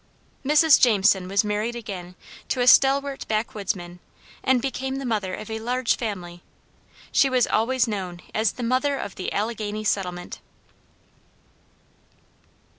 Mrs. Jameson was married again to a stalwart backwoodsman and became the mother of a large family. She was always known as the "Mother of the Alleghany Settlement."